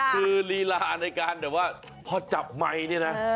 คือลีลาในการแบบว่าพอจับไมค์เนี่ยนะ